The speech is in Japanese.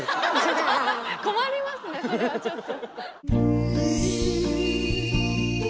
困りますねそれはちょっと。